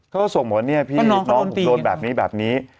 เขาก็ส่งมาเนี่ยพี่น้องผมโดนแบบนี้แบบนี้